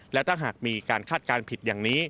และถ้าหากมีการคาดการณ์ผิดอย่างนี้